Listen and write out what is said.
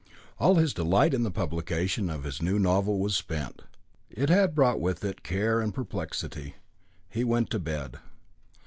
All his delight in the publication of his new novel was spent. It had brought with it care and perplexity. He went to bed.